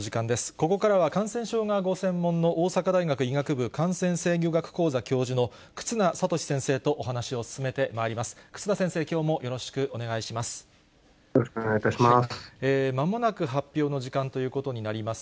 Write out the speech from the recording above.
ここからは感染症がご専門の大阪大学医学部感染制御学講座教授の忽那賢志先生とお話を進めてまいります。